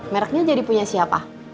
merknya jadi punya siapa